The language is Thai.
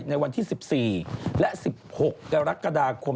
ในวันที่๑๔และ๑๖กรกฎาคม